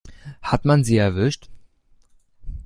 Hat man sie erwischt?